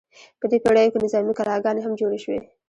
په دې پیړیو کې نظامي کلاګانې هم جوړې شوې.